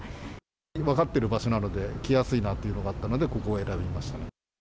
分かっている場所なので、来やすいなというのがあったので、ここを選びました。